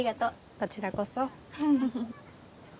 こちらこそ。